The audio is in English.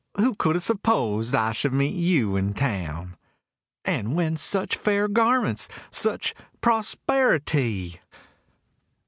Who could have supposed I should meet you in Town? And whence such fair garments, such prosperi ty?"